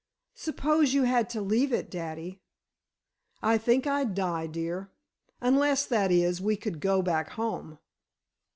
"Suppose you had to leave it, daddy?" "I think I'd die, dear. Unless, that is, we could go back home."